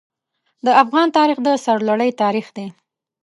د افغان تاریخ د سرلوړۍ تاریخ دی.